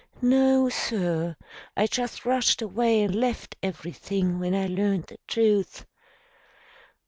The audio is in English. "No, sir. I just rushed away and left everything when I learned the truth."